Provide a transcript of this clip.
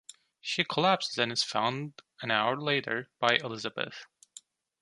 She collapses and is found an hour later by Elizabeth.